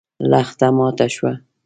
لښته ماته شوه.